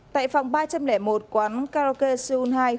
tại phòng ba trăm linh một quán karaoke seoul hai